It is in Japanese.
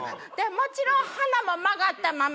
もちろん鼻も曲がったまま。